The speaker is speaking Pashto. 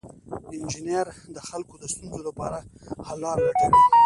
انجینر د خلکو د ستونزو لپاره حل لارې لټوي.